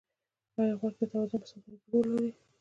ایا غوږ د توازن په ساتلو کې رول لري؟